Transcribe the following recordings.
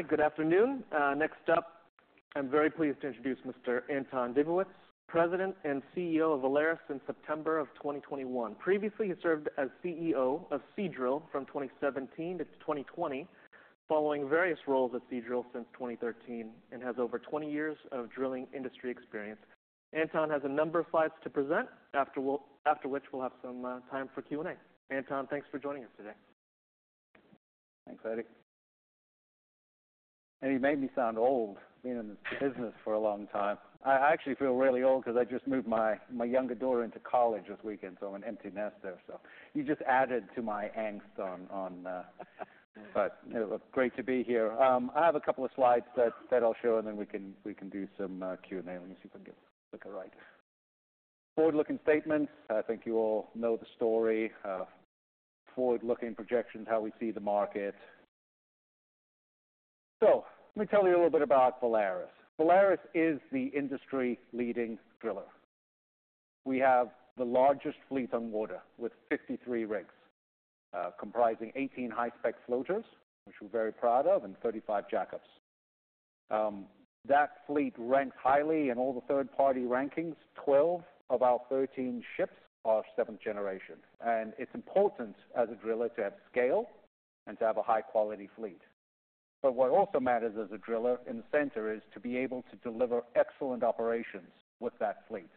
All right. Good afternoon, next up, I'm very pleased to introduce Mr. Anton Dibowitz, President and CEO of Valaris in September of 2021. Previously, he served as CEO of Seadrill from 2017 to 2020, following various roles at Seadrill since 2013, and has over 20 years of drilling industry experience. Anton has a number of slides to present, after which we'll have some time for Q&A. Anton, thanks for joining us today. Thanks, Eddie. You made me sound old, being in this business for a long time. I actually feel really old because I just moved my younger daughter into college this weekend, so I'm an empty nester. You just added to my angst, but great to be here. I have a couple of slides that I'll show, and then we can do some Q&A. Let me see if I can get the clicker right. Forward-looking statements. I think you all know the story, forward-looking projections, how we see the market. Let me tell you a little bit about Valaris. Valaris is the industry-leading driller. We have the largest fleet on water, with 53 rigs, comprising 18 high-spec floaters, which we're very proud of, and 35 jackups. That fleet ranks highly in all the third-party rankings. Twelve of our thirteen ships are seventh generation, and it's important as a driller to have scale and to have a high-quality fleet. But what also matters as a driller in the center is to be able to deliver excellent operations with that fleet.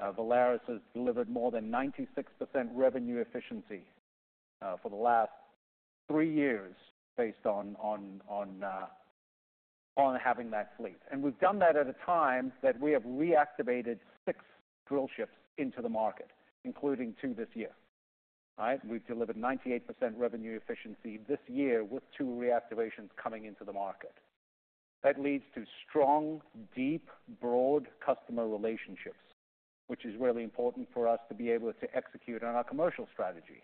Valaris has delivered more than 96% revenue efficiency for the last three years based on having that fleet. And we've done that at a time that we have reactivated six drill ships into the market, including two this year. All right? We've delivered 98% revenue efficiency this year, with two reactivations coming into the market. That leads to strong, deep, broad customer relationships, which is really important for us to be able to execute on our commercial strategy.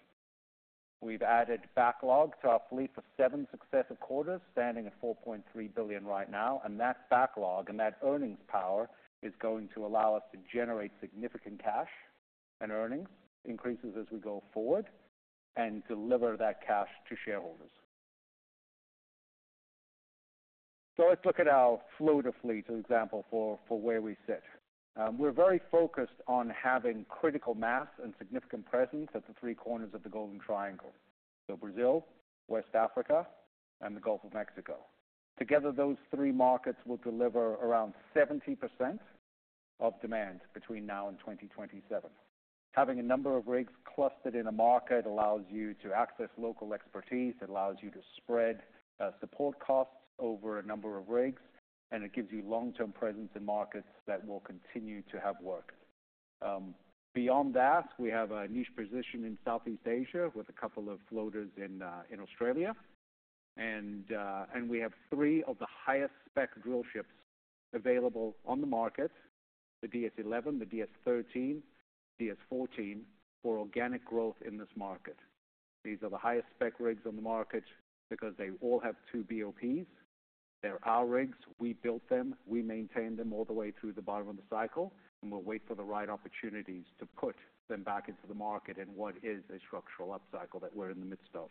We've added backlog to our fleet for seven successive quarters, standing at $4.3 billion right now. And that backlog and that earnings power is going to allow us to generate significant cash and earnings increases as we go forward and deliver that cash to shareholders. So let's look at our floater fleet, an example for where we sit. We're very focused on having critical mass and significant presence at the three corners of the Golden Triangle. So Brazil, West Africa, and the Gulf of Mexico. Together, those three markets will deliver around 70% of demand between now and 2027. Having a number of rigs clustered in a market allows you to access local expertise. It allows you to spread support costs over a number of rigs, and it gives you long-term presence in markets that will continue to have work. Beyond that, we have a niche position in Southeast Asia with a couple of floaters in Australia. We have three of the highest-spec drill ships available on the market, the DS-11, the DS-13, DS-14, for organic growth in this market. These are the highest-spec rigs on the market because they all have two BOPs. They're our rigs. We built them, we maintained them all the way through the bottom of the cycle, and we'll wait for the right opportunities to put them back into the market in what is a structural upcycle that we're in the midst of.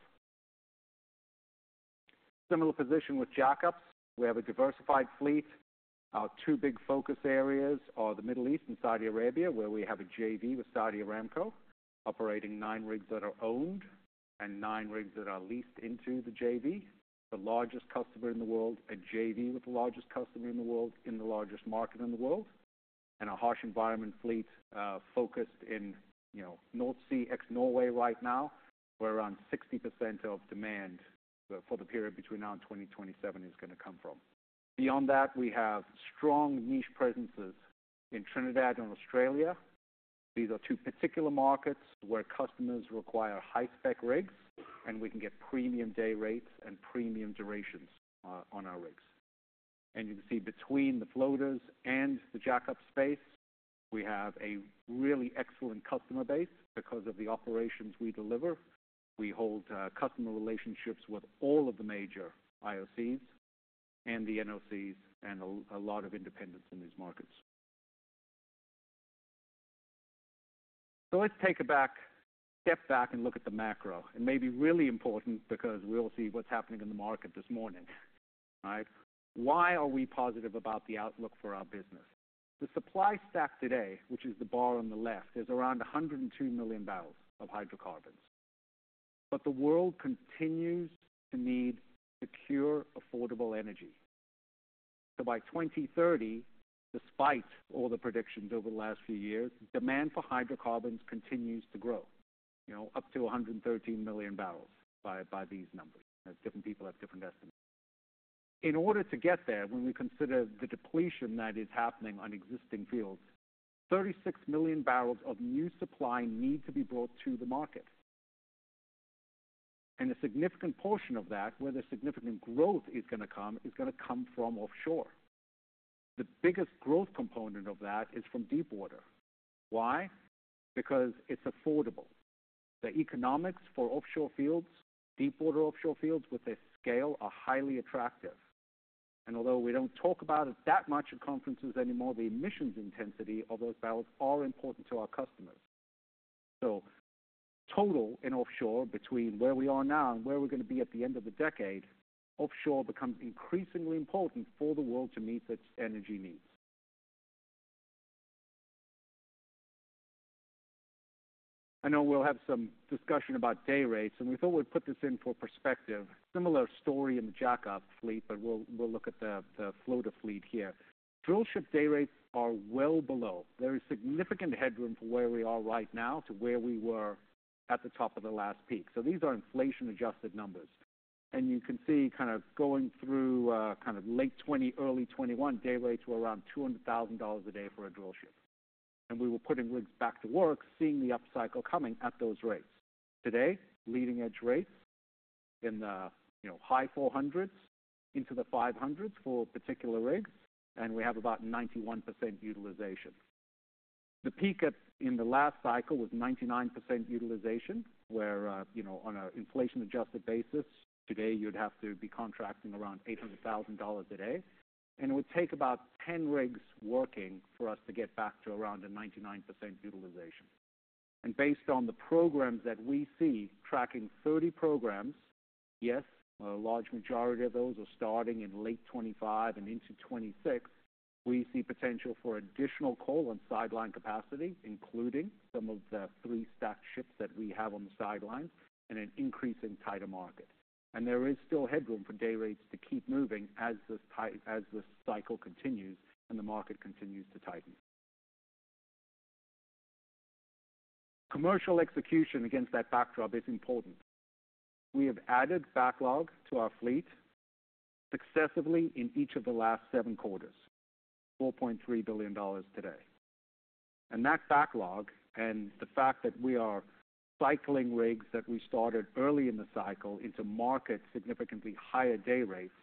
Similar position with jackups. We have a diversified fleet. Our two big focus areas are the Middle East and Saudi Arabia, where we have a JV with Saudi Aramco, operating nine rigs that are owned and nine rigs that are leased into the JV. The largest customer in the world, a JV with the largest customer in the world, in the largest market in the world, and a harsh environment fleet focused in, you know, North Sea ex-Norway right now, where around 60% of demand for the period between now and 2027 is gonna come from. Beyond that, we have strong niche presences in Trinidad and Australia. These are two particular markets where customers require high-spec rigs, and we can get premium day rates and premium durations on our rigs. And you can see between the floaters and the jackup space, we have a really excellent customer base because of the operations we deliver. We hold customer relationships with all of the major IOCs and the NOCs, and a lot of independents in these markets. So let's take a step back and look at the macro. It may be really important because we'll see what's happening in the market this morning. All right? Why are we positive about the outlook for our business? The supply stack today, which is the bar on the left, is around 102 million barrels of hydrocarbons. But the world continues to need secure, affordable energy. So by 2030, despite all the predictions over the last few years, demand for hydrocarbons continues to grow, you know, up to 113 million barrels by, by these numbers. Different people have different estimates. In order to get there, when we consider the depletion that is happening on existing fields, 36 million barrels of new supply need to be brought to the market. And a significant portion of that, where the significant growth is gonna come, is gonna come from offshore. The biggest growth component of that is from deepwater. Why? Because it's affordable. The economics for offshore fields, deepwater offshore fields with this scale, are highly attractive... and although we don't talk about it that much at conferences anymore, the emissions intensity of those barrels are important to our customers. So total in offshore, between where we are now and where we're gonna be at the end of the decade, offshore becomes increasingly important for the world to meet its energy needs. I know we'll have some discussion about day rates, and we thought we'd put this into perspective. Similar story in the jackup fleet, but we'll look at the floater fleet here. Drillship day rates are well below. There is significant headroom from where we are right now to where we were at the top of the last peak. So these are inflation-adjusted numbers. You can see, kind of going through, kind of late 2020, early 2021, day rates were around $200,000 a day for a drillship. We were putting rigs back to work, seeing the upcycle coming at those rates. Today, leading-edge rates in the, you know, high $400,000s into the $500,000s for particular rigs, and we have about 91% utilization. The peak, in the last cycle, was 99% utilization, where, you know, on an inflation-adjusted basis, today, you'd have to be contracting around $800,000 a day, and it would take about 10 rigs working for us to get back to around a 99% utilization. Based on the programs that we see, tracking 30 programs, yes, a large majority of those are starting in late 2025 and into 2026. We see potential for additional cold and sideline capacity, including some of the three stacked ships that we have on the sidelines, and an increase in a tighter market. There is still headroom for day rates to keep moving as this cycle continues and the market continues to tighten. Commercial execution against that backdrop is important. We have added backlog to our fleet successively in each of the last seven quarters, $4.3 billion today. That backlog, and the fact that we are cycling rigs that we started early in the cycle into market, significantly higher day rates,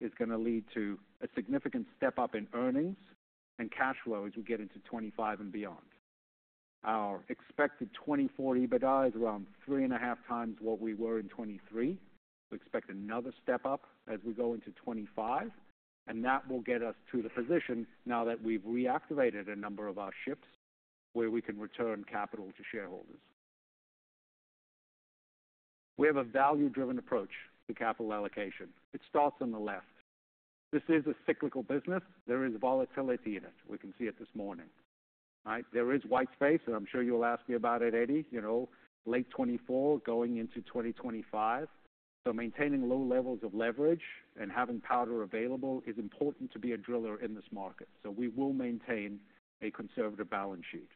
is gonna lead to a significant step-up in earnings and cash flow as we get into 2025 and beyond. Our expected 2024 EBITDA is around three and a half times what we were in 2023. We expect another step up as we go into 2025, and that will get us to the position now that we've reactivated a number of our ships, where we can return capital to shareholders. We have a value-driven approach to capital allocation. It starts on the left. This is a cyclical business. There is volatility in it. We can see it this morning, right? There is white space, and I'm sure you will ask me about it, Eddie, you know, late 2024, going into 2025. So maintaining low levels of leverage and having powder available is important to be a driller in this market. So we will maintain a conservative balance sheet.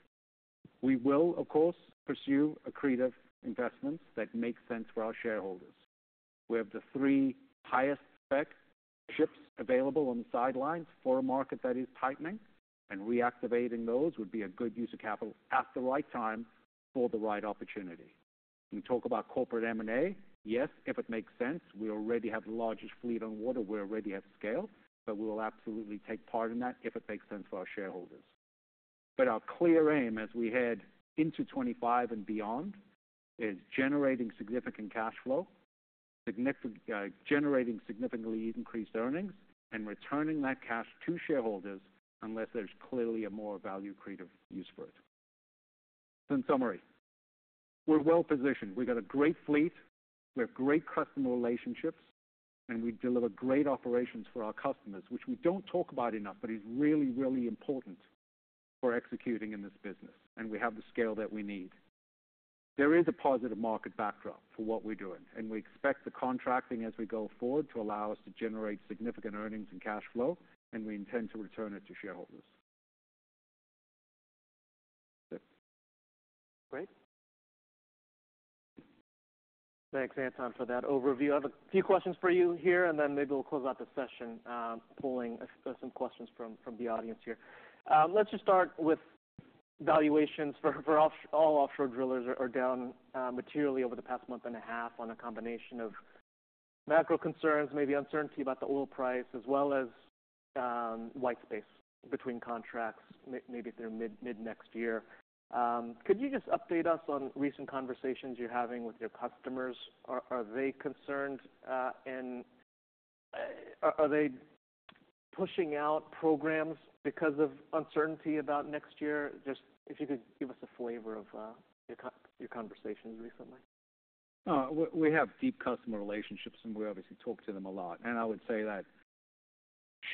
We will, of course, pursue accretive investments that make sense for our shareholders. We have the three highest-spec ships available on the sidelines for a market that is tightening, and reactivating those would be a good use of capital at the right time for the right opportunity. We talk about corporate M&A. Yes, if it makes sense. We already have the largest fleet on water. We already have scale, but we will absolutely take part in that if it makes sense for our shareholders. But our clear aim, as we head into 2025 and beyond, is generating significant cash flow, generating significantly increased earnings, and returning that cash to shareholders, unless there's clearly a more value-accretive use for it. So in summary, we're well positioned. We've got a great fleet, we have great customer relationships, and we deliver great operations for our customers, which we don't talk about enough, but is really, really important for executing in this business, and we have the scale that we need. There is a positive market backdrop for what we're doing, and we expect the contracting as we go forward to allow us to generate significant earnings and cash flow, and we intend to return it to shareholders. Great. Thanks, Anton, for that overview. I have a few questions for you here, and then maybe we'll close out the session, pulling some questions from the audience here. Let's just start with valuations for all offshore drillers are down materially over the past month and a half on a combination of macro concerns, maybe uncertainty about the oil price, as well as white space between contracts, maybe through mid-next year. Could you just update us on recent conversations you're having with your customers? Are they concerned, and are they pushing out programs because of uncertainty about next year? Just if you could give us a flavor of your conversations recently. We have deep customer relationships, and we obviously talk to them a lot. I would say that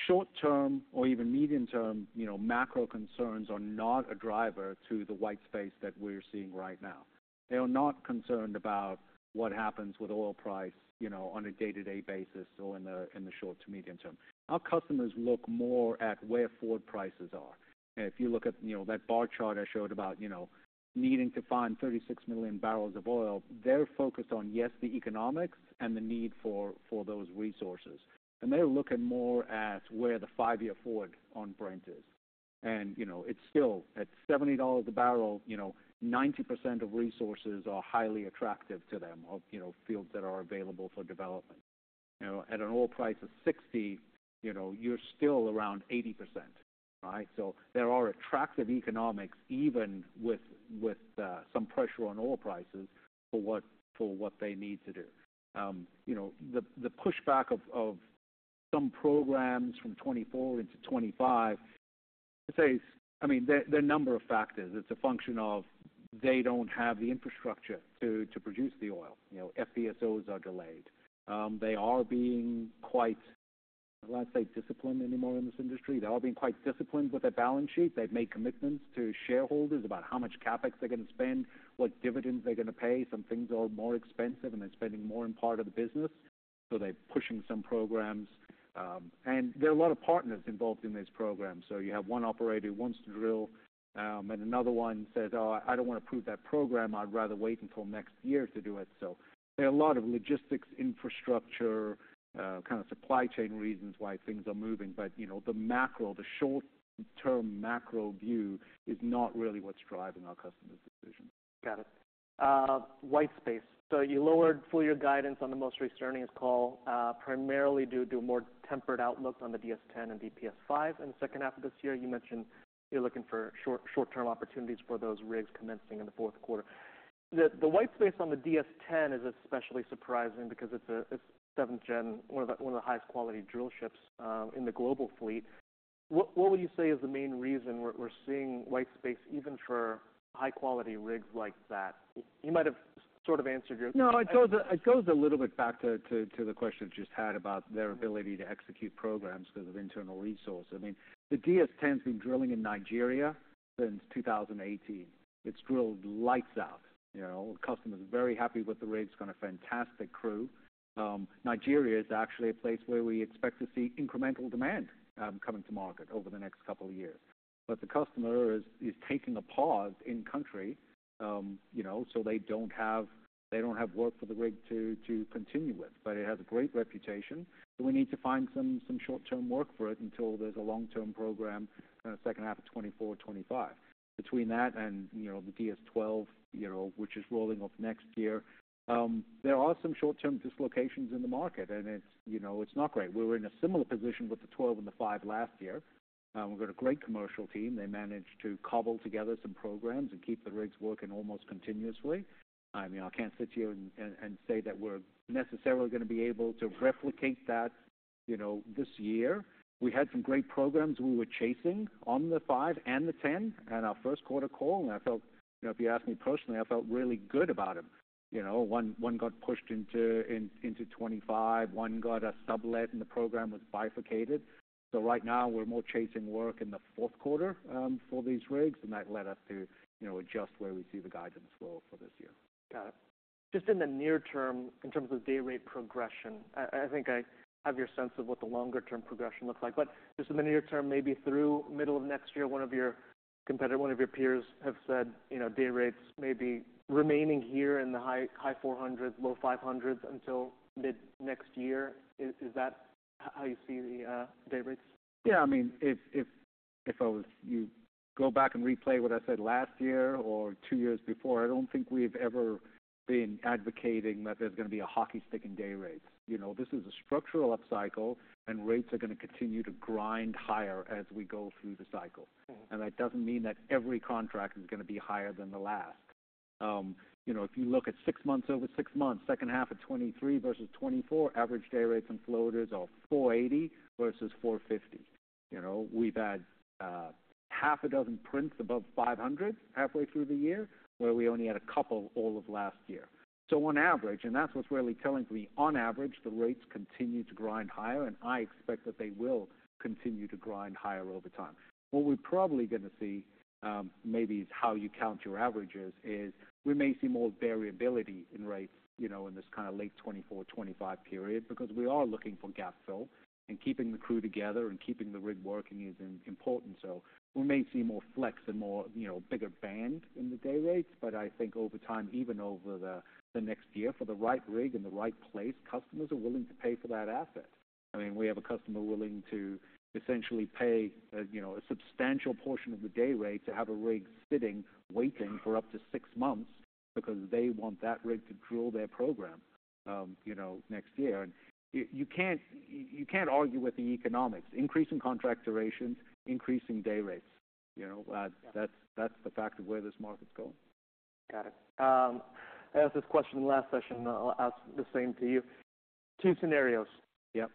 short term or even medium term, you know, macro concerns are not a driver to the white space that we're seeing right now. They are not concerned about what happens with oil price, you know, on a day-to-day basis or in the short to medium term. Our customers look more at where forward prices are. If you look at, you know, that bar chart I showed about, you know, needing to find 36 million barrels of oil, they're focused on, yes, the economics and the need for those resources. They're looking more at where the five-year forward on Brent is. You know, it's still at $70 a barrel. You know, 90% of resources are highly attractive to them, you know, fields that are available for development. You know, at an oil price of $60, you know, you're still around 80%... right? There are attractive economics, even with some pressure on oil prices for what they need to do. You know, the pushback of some programs from 2024 into 2025, say, I mean, there are a number of factors. It's a function of they don't have the infrastructure to produce the oil. You know, FPSOs are delayed. They are being quite disciplined anymore in this industry. They're all being quite disciplined with their balance sheet. They've made commitments to shareholders about how much CapEx they're gonna spend, what dividends they're gonna pay. Some things are more expensive, and they're spending more in part of the business, so they're pushing some programs. And there are a lot of partners involved in these programs. So you have one operator who wants to drill, and another one says, "Oh, I don't wanna prove that program. I'd rather wait until next year to do it." So there are a lot of logistics, infrastructure, kind of supply chain reasons why things are moving, but, you know, the macro, the short-term macro view is not really what's driving our customers' decisions. Got it. White space. So you lowered full year guidance on the most recent earnings call, primarily due to more tempered outlook on the DS-10 and DPS-5 in the second half of this year. You mentioned you're looking for short-term opportunities for those rigs commencing in the fourth quarter. The white space on the DS-10 is especially surprising because it's seventh gen, one of the highest quality drillships, in the global fleet. What would you say is the main reason we're seeing white space even for high-quality rigs like that? You might have sort of answered your- No, it goes a little bit back to the question you just had about their ability to execute programs because of internal resource. I mean, the DS-10's been drilling in Nigeria since 2018. It's drilled lights out, you know. The customer's very happy with the rig. It's got a fantastic crew. Nigeria is actually a place where we expect to see incremental demand coming to market over the next couple of years. But the customer is taking a pause in country, you know, so they don't have work for the rig to continue with. But it has a great reputation, so we need to find some short-term work for it until there's a long-term program in the second half of 2024, 2025. Between that and, you know, the DS-12, you know, which is rolling off next year, there are some short-term dislocations in the market, and it's, you know, it's not great. We were in a similar position with the twelve and the five last year. We've got a great commercial team. They managed to cobble together some programs and keep the rigs working almost continuously. I mean, I can't sit here and say that we're necessarily gonna be able to replicate that, you know, this year. We had some great programs we were chasing on the five and the ten in our first quarter call, and I felt, you know, if you ask me personally, I felt really good about them. You know, one got pushed into 2025, one got a sublet, and the program was bifurcated. So right now, we're more chasing work in the fourth quarter, for these rigs, and that led us to, you know, adjust where we see the guidance flow for this year. Got it. Just in the near term, in terms of day rate progression, I think I have your sense of what the longer-term progression looks like, but just in the near term, maybe through middle of next year, one of your competitor, one of your peers have said, you know, day rates may be remaining here in the high $400s, low $500s until mid next year. Is that how you see the day rates? Yeah. I mean, you go back and replay what I said last year or two years before. I don't think we've ever been advocating that there's gonna be a hockey stick in day rates. You know, this is a structural upcycle, and rates are gonna continue to grind higher as we go through the cycle. Mm-hmm. And that doesn't mean that every contract is gonna be higher than the last. You know, if you look at six months, over six months, second half of 2023 versus 2024, average day rates and floaters are $480 versus $450. You know, we've had half a dozen prints above $500 halfway through the year, where we only had a couple all of last year. So on average, and that's what's really telling me, on average, the rates continue to grind higher, and I expect that they will continue to grind higher over time. What we're probably gonna see, maybe is how you count your averages, is we may see more variability in rates, you know, in this kind of late 2024, 2025 period, because we are looking for gap fill, and keeping the crew together and keeping the rig working is important. So we may see more flex and more, you know, bigger band in the day rates, but I think over time, even over the next year, for the right rig and the right place, customers are willing to pay for that asset. I mean, we have a customer willing to essentially pay, you know, a substantial portion of the day rate to have a rig sitting, waiting for up to six months because they want that rig to drill their program, you know, next year. And you can't argue with the economics. Increasing contract durations, increasing day rates, you know. Yeah. That's the fact of where this market's going. Got it. I asked this question last session, I'll ask the same to you. Two scenarios. Yeah.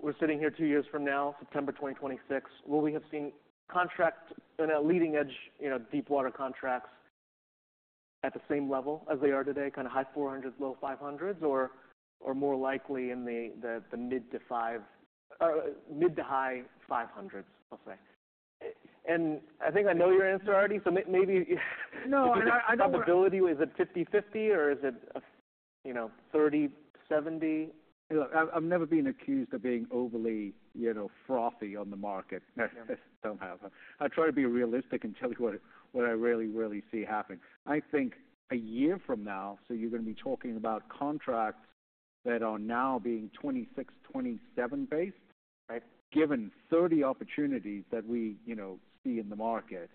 We're sitting here two years from now, September 2026. Will we have seen contract in a leading edge, you know, deep water contracts at the same level as they are today, kind of high four hundreds, low five hundreds, or more likely in the mid to five, mid to high five hundreds, I'll say? And I think I know your answer already, so maybe - No, I don't- Probability, is it fifty/fifty, or is it a, you know, thirty/seventy? Look, I've never been accused of being overly, you know, frothy on the market somehow. I try to be realistic and tell you what I really, really see happening. I think a year from now, so you're gonna be talking about contracts that are now being 2026, 2027 based, right? Given thirty opportunities that we, you know see in the market,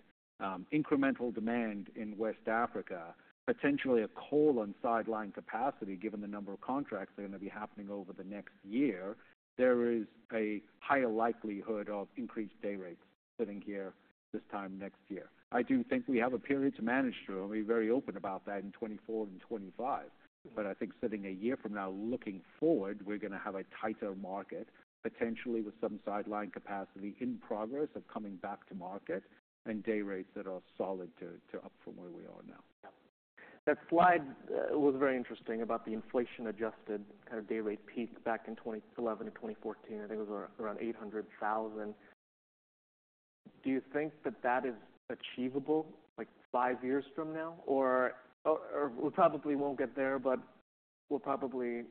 incremental demand in West Africa, potentially a call on sideline capacity, given the number of contracts that are gonna be happening over the next year, there is a higher likelihood of increased day rates sitting here this time next year. I do think we have a period to manage through, and I'll be very open about that in 2024 and 2025. I think sitting a year from now, looking forward, we're gonna have a tighter market, potentially with some sideline capacity in progress of coming back to market and day rates that are solid to up from where we are now. Yeah. That slide was very interesting about the inflation-adjusted kind of day rate peak back in 2011 and 2014. I think it was around $800,000. Do you think that that is achievable, like, five years from now? Or, or we probably won't get there, but we'll probably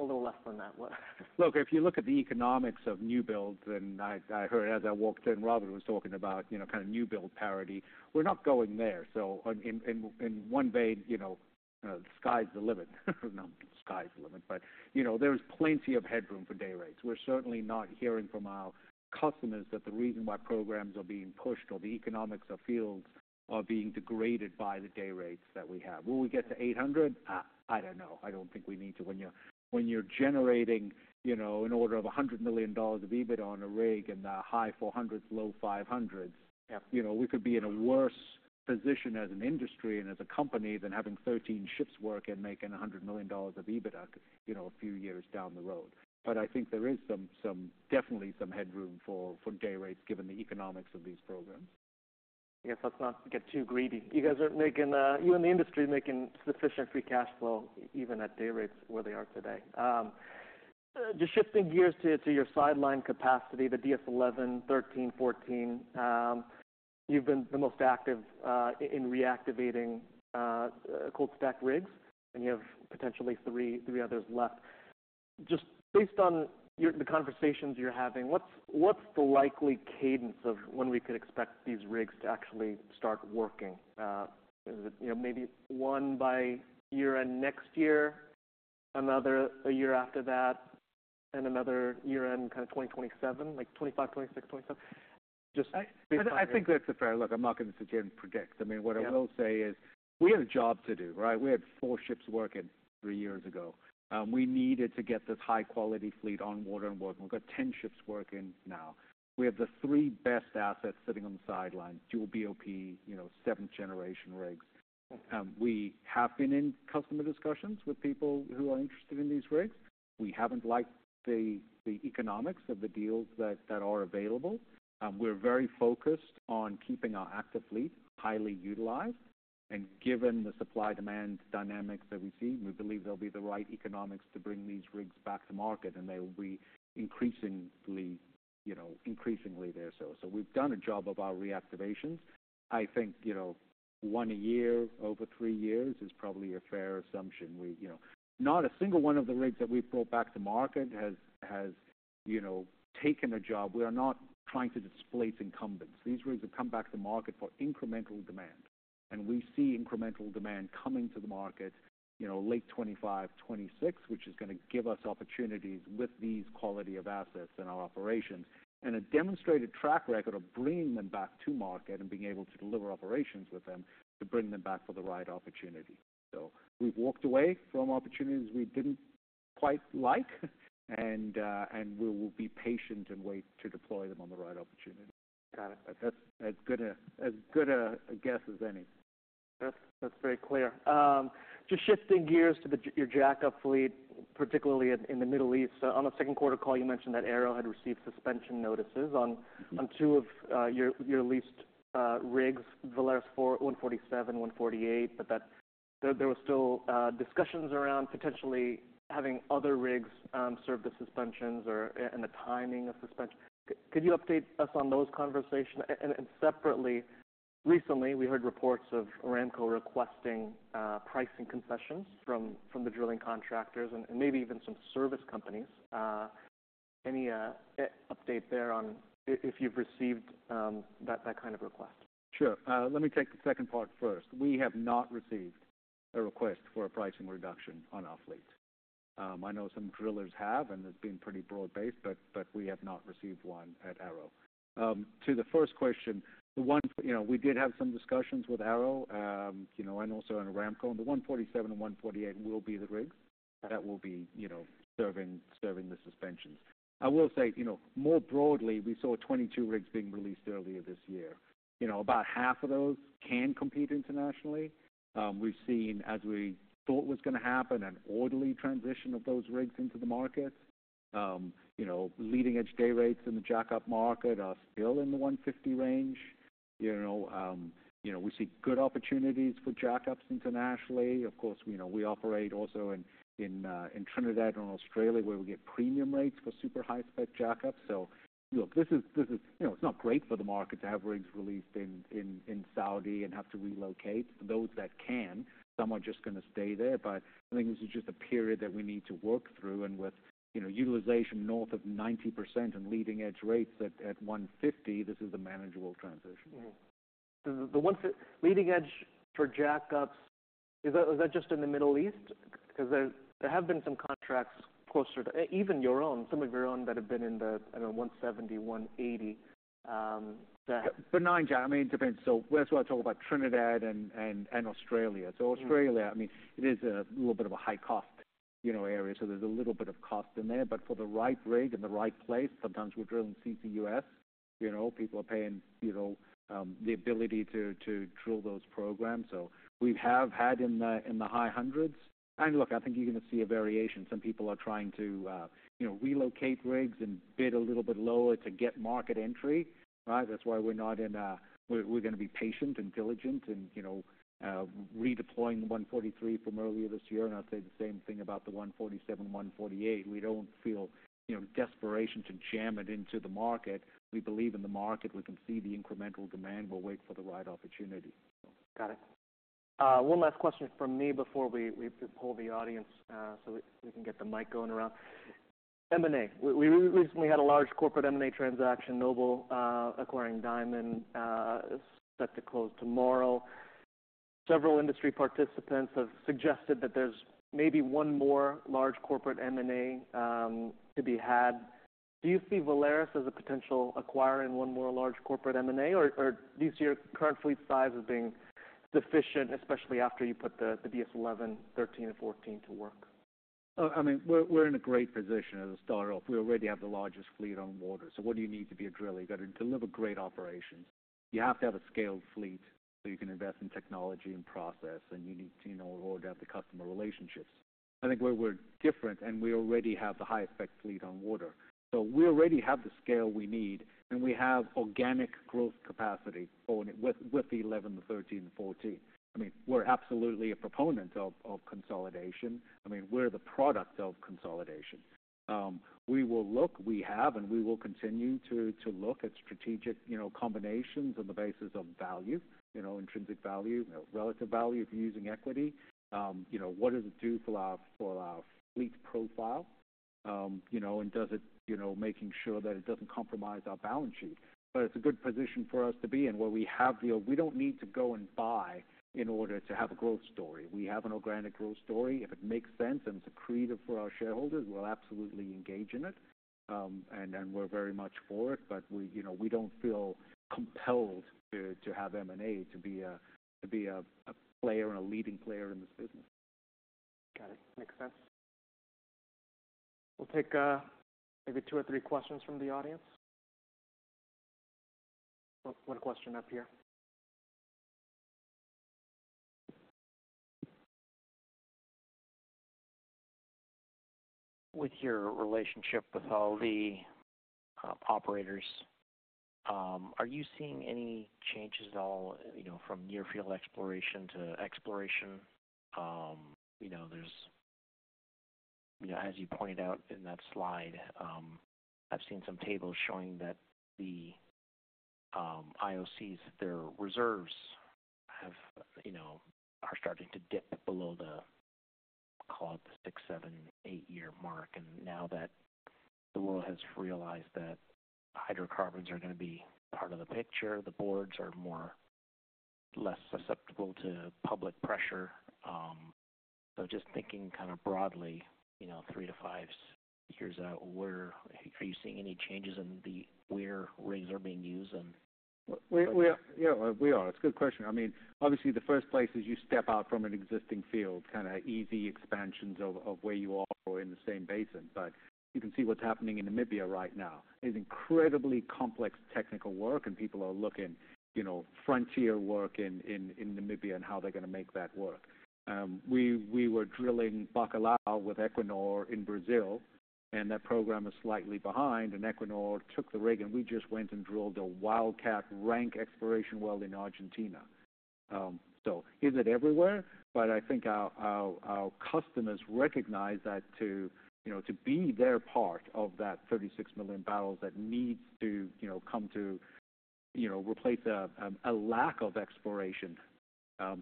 a little less than that. What? Look, if you look at the economics of newbuilds, and I heard as I walked in, Robert was talking about, you know, kind of newbuild parity. We're not going there. So in one way, you know, the sky's the limit. Not the sky's the limit, but, you know, there's plenty of headroom for day rates. We're certainly not hearing from our customers that the reason why programs are being pushed or the economics of fields are being degraded by the day rates that we have. Will we get to eight hundred? I don't know. I don't think we need to. When you're generating, you know, an order of $100 million of EBITDA on a rig in the high four hundreds, low five hundreds- Yeah You know, we could be in a worse position as an industry and as a company than having 13 ships work and making $100 million of EBITDA, you know, a few years down the road. But I think there is some, definitely some headroom for day rates, given the economics of these programs. I guess, let's not get too greedy. You guys are making, you in the industry, making sufficient free cash flow, even at day rates where they are today. Just shifting gears to your sideline capacity, the DS-11, DS-13, DS-14, you've been the most active in reactivating cold-stacked rigs, and you have potentially three others left. Just based on your, the conversations you're having, what's the likely cadence of when we could expect these rigs to actually start working? Is it, you know, maybe one by year-end next year, another a year after that, and another year-end, kind of 2027, like 2025, 2026, 2027? Just- I think that's a fair look. I'm not going to sit here and predict. I mean- Yeah... what I will say is, we have a job to do, right? We had four ships working three years ago. We needed to get this high-quality fleet on water and work. We've got 10 ships working now. We have the three best assets sitting on the sidelines, dual BOP, you know, seventh-generation rigs. We have been in customer discussions with people who are interested in these rigs. We haven't liked the economics of the deals that are available. We're very focused on keeping our active fleet highly utilized. And given the supply-demand dynamics that we see, we believe there'll be the right economics to bring these rigs back to market, and they will be increasingly there, you know. So we've done a job of our reactivations. I think, you know, one a year over three years is probably a fair assumption. You know, not a single one of the rigs that we've brought back to market has taken a job. We are not trying to displace incumbents. These rigs have come back to market for incremental demand, and we see incremental demand coming to the market, you know, late 2025, 2026, which is gonna give us opportunities with these quality of assets in our operations and a demonstrated track record of bringing them back to market and being able to deliver operations with them to bring them back for the right opportunity. So we've walked away from opportunities we didn't quite like, and we will be patient and wait to deploy them on the right opportunity. Got it. That's as good a guess as any. That's, that's very clear. Just shifting gears to your jackup fleet, particularly in the Middle East. So on the second quarter call, you mentioned that ARO had received suspension notices on two of your leased rigs, the 147, 148. But there were still discussions around potentially having other rigs serve the suspensions or and the timing of suspension. Could you update us on those conversations? And separately, recently, we heard reports of Aramco requesting pricing concessions from the drilling contractors and maybe even some service companies. Any update there on if you've received that kind of request? Sure. Let me take the second part first. We have not received a request for a pricing reduction on our fleet. I know some drillers have, and it's been pretty broad-based, but we have not received one at ARO. To the first question. You know, we did have some discussions with ARO, you know, and also in Aramco. The 147 and 148 will be the rigs that will be, you know, serving the suspensions. I will say, you know, more broadly, we saw 22 rigs being released earlier this year. You know, about half of those can compete internationally. We've seen, as we thought was gonna happen, an orderly transition of those rigs into the market. You know, leading-edge day rates in the jackup market are still in the 150 range. You know, we see good opportunities for jackups internationally. Of course, you know, we operate also in Trinidad and Australia, where we get premium rates for super high-spec jackups. So, you know, this is, you know, it's not great for the market to have rigs released in Saudi and have to relocate those that can. Some are just gonna stay there, but I think this is just a period that we need to work through. And with, you know, utilization north of 90% and leading edge rates at $150, this is a manageable transition. Mm-hmm. The one fifty leading edge for jackups? Is that just in the Middle East? Because there have been some contracts closer to, even your own, some of your own, that have been in the $170-$180, that- But no, John, I mean, it depends. So that's why I talk about Trinidad and Australia. Mm. So Australia, I mean, it is a little bit of a high-cost, you know, area, so there's a little bit of cost in there. But for the right rig in the right place, sometimes we're drilling CCUS. You know, people are paying, you know, the ability to, to drill those programs. So we have had in the, in the high hundreds. And look, I think you're gonna see a variation. Some people are trying to, you know, relocate rigs and bid a little bit lower to get market entry, right? That's why we're gonna be patient and diligent and, you know, redeploying the 143 from earlier this year, and I'd say the same thing about the 147, 148. We don't feel, you know, desperation to jam it into the market. We believe in the market. We can see the incremental demand. We'll wait for the right opportunity. Got it. One last question from me before we pull the audience, so we can get the mic going around. M&A. We recently had a large corporate M&A transaction, Noble acquiring Diamond, set to close tomorrow. Several industry participants have suggested that there's maybe one more large corporate M&A to be had. Do you see Valaris as a potential acquirer in one more large corporate M&A, or do you see your current fleet size as being sufficient, especially after you put the DS-11, DS-13, and DS-14 to work? I mean, we're in a great position as a start-off. We already have the largest fleet on water. So what do you need to be a driller? You got to deliver great operations. You have to have a scaled fleet so you can invest in technology and process, and you need to, you know, already have the customer relationships. I think we're different, and we already have the highest-spec fleet on water. So we already have the scale we need, and we have organic growth capacity on it with the eleven, the thirteen, and fourteen. I mean, we're absolutely a proponent of consolidation. I mean, we're the product of consolidation. We will look, we have and we will continue to look at strategic, you know, combinations on the basis of value, you know, intrinsic value, relative value if you're using equity. You know, what does it do for our fleet profile? You know, and does it, you know, making sure that it doesn't compromise our balance sheet. But it's a good position for us to be in, where we have the... We don't need to go and buy in order to have a growth story. We have an organic growth story. If it makes sense and it's accretive for our shareholders, we'll absolutely engage in it, and we're very much for it, but we, you know, we don't feel compelled to have M&A to be a player and a leading player in this business. Got it. Makes sense. We'll take maybe two or three questions from the audience. One question up here. With your relationship with all the operators, are you seeing any changes at all, you know, from near-field exploration to exploration? You know, as you pointed out in that slide, I've seen some tables showing that the IOCs, their reserves, you know, are starting to dip below the, call it the six, seven, eight-year mark. And now that the world has realized that hydrocarbons are gonna be part of the picture, the boards are more less susceptible to public pressure. So just thinking kind of broadly, you know, three to five years out, where are you seeing any changes in the where rigs are being used and- We are. Yeah, we are. It's a good question. I mean, obviously, the first place is you step out from an existing field, kind of easy expansions of where you are or in the same basin. But you can see what's happening in Namibia right now. It's incredibly complex technical work, and people are looking, you know, frontier work in Namibia and how they're gonna make that work. We were drilling Bacalhau with Equinor in Brazil, and that program is slightly behind, and Equinor took the rig, and we just went and drilled a wildcat exploration well in Argentina. So is it everywhere? But I think our customers recognize that to, you know, to be their part of that 36 million barrels, that needs to, you know, come to replace a lack of exploration.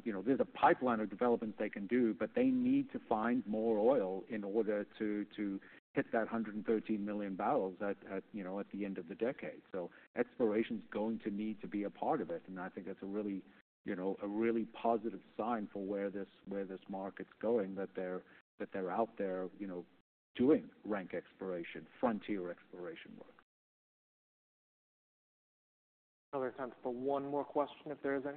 You know, there's a pipeline of developments they can do, but they need to find more oil in order to hit that 113 million barrels at, you know, at the end of the decade, so exploration's going to need to be a part of it, and I think that's a really, you know, a really positive sign for where this market's going, that they're out there, you know, doing rank exploration, frontier exploration work. Other time for one more question, if there is any.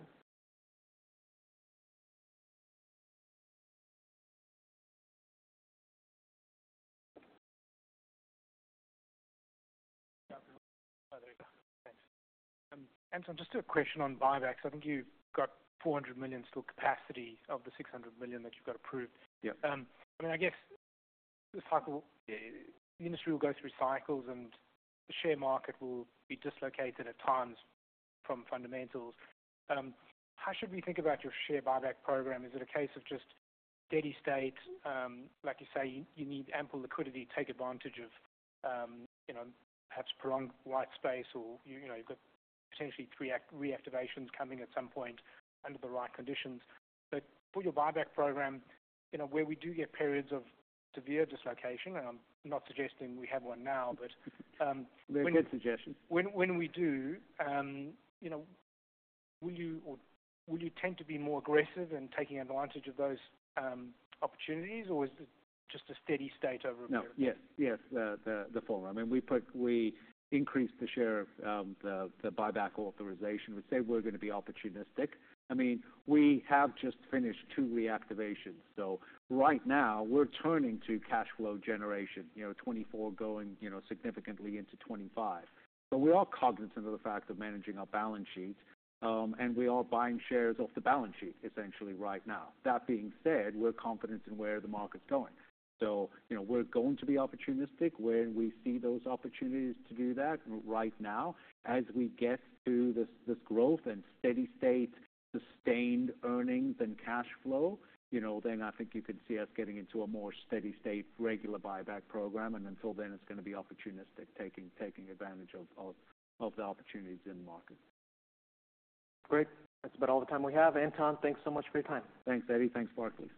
Oh, there we go. Thanks. Anton, just a question on buybacks. I think you've got $400 million still capacity of the $600 million that you've got approved. Yep. I mean, I guess the cycle, the industry will go through cycles, and the share market will be dislocated at times from fundamentals. How should we think about your share buyback program? Is it a case of just steady state? Like you say, you need ample liquidity to take advantage of, you know, perhaps prolonged white space or, you know, you've got potentially three reactivations coming at some point under the right conditions. But for your buyback program, you know, where we do get periods of severe dislocation, and I'm not suggesting we have one now, but They're good suggestions. When we do, you know, will you tend to be more aggressive in taking advantage of those opportunities, or is it just a steady state over a year? No, yes, yes, the former. I mean, we put, we increased the share buyback authorization. We say we're gonna be opportunistic. I mean, we have just finished two reactivations, so right now we're turning to cash flow generation, you know, 2024 going, you know, significantly into 2025. But we are cognizant of the fact of managing our balance sheet, and we are buying shares off the balance sheet essentially right now. That being said, we're confident in where the market's going. So, you know, we're going to be opportunistic when we see those opportunities to do that right now. As we get to this, this growth and steady state, sustained earnings and cash flow, you know, then I think you can see us getting into a more steady state, regular buyback program, and until then, it's gonna be opportunistic, taking advantage of the opportunities in the market. Great. That's about all the time we have. Anton, thanks so much for your time. Thanks, Eddie. Thanks, Barclays.